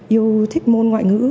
yêu thích môn ngoại ngữ